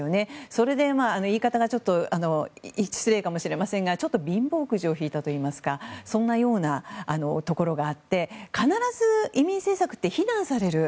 それで、言い方がちょっと失礼かもしれませんが貧乏くじを引いたといいますかそんなようなところがあって必ず移民政策って非難される